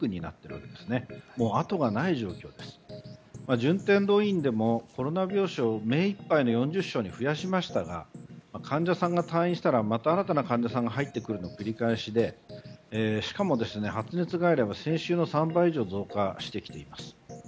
順天堂医院でもコロナ病床をめいいっぱいの４０床に増やしましたが患者さんが退院したらまた新たな患者さんが入ってくる繰り返しでしかも発熱外来は先週の３倍以上増加してきています。